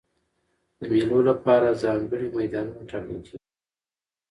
د مېلو له پاره ځانګړي میدانونه ټاکل کېږي.